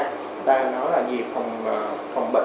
người ta nói là nhiều phòng bệnh hơn là chữa bệnh